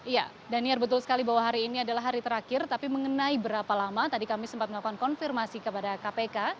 ya daniar betul sekali bahwa hari ini adalah hari terakhir tapi mengenai berapa lama tadi kami sempat melakukan konfirmasi kepada kpk